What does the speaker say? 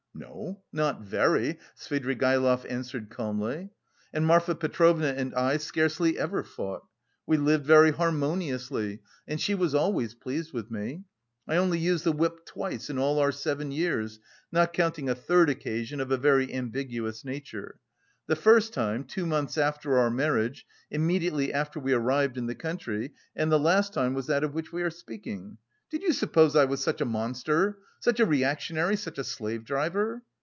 "No, not very," Svidrigaïlov answered, calmly. "And Marfa Petrovna and I scarcely ever fought. We lived very harmoniously, and she was always pleased with me. I only used the whip twice in all our seven years (not counting a third occasion of a very ambiguous character). The first time, two months after our marriage, immediately after we arrived in the country, and the last time was that of which we are speaking. Did you suppose I was such a monster, such a reactionary, such a slave driver?